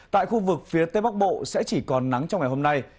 tại khu vực phía tây bắc bộ sẽ chỉ còn nắng trong ngày hôm nay